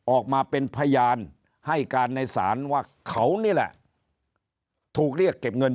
ออกมาเป็นพยานให้การในศาลว่าเขานี่แหละถูกเรียกเก็บเงิน